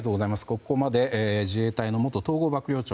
ここまで自衛隊の元統合幕僚長